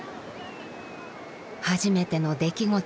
初めての出来事。